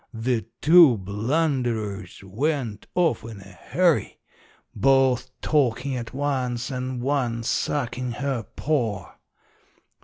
The two blunderers went off in a hurry, both talkin' at once and one suckin' her paw.